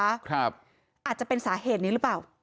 อาจจะเป็นสาเหตุนี้หรือเปล่า